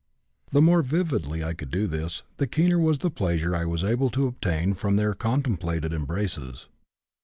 The more vividly I could do this, the keener was the pleasure I was able to obtain from their contemplated embraces.